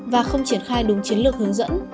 và không triển khai đúng chiến lược hướng dẫn